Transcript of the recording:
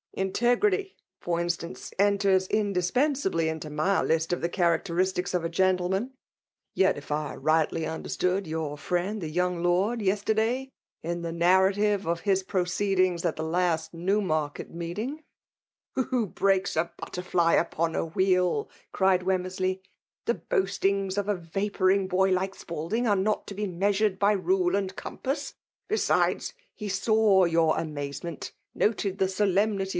Integrity, for instance, enters indis pensably into my list of the characteristics of a gentleman ; yet, if I rightly understood your friend the young lord, yesterday, in the narra tive of his proceedings at the last Newmarket meeting *' 120 FEMALE DOMINATION. •" Who breaks a butterfly upon a whe^?" cried Wemmersley. " The boastings of a vapouring boy like Spalding are not to be measured by rule and compass. Besides^ he saw your amazements noted the solemnity